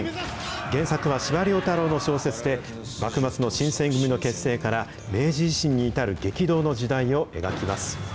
原作は司馬遼太郎の小説で、幕末の新選組の結成から明治維新に至る激動の時代を描きます。